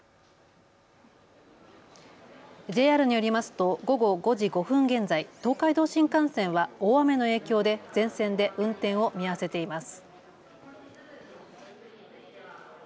ＪＲによりますと午後５時５分現在、東海道新幹線は大雨の影響で全線で運転を見合わせています。